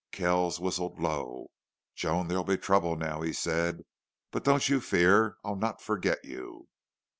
Kells whistled low. "Joan, there'll be trouble now," he said, "but don't you fear. I'll not forget you."